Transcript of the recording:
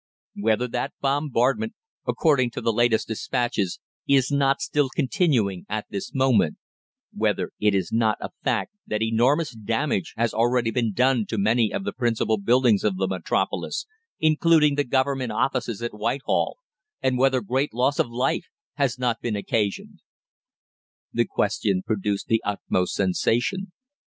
Whether that bombardment, according to the latest despatches, is not still continuing at this moment; whether it is not a fact that enormous damage has already been done to many of the principal buildings of the metropolis, including the Government Offices at Whitehall, and whether great loss of life has not been occasioned?" The question produced the utmost sensation.